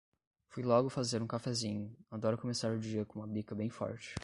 Fui logo fazer um cafézinho. Adoro começar o dia com uma bica bem forte.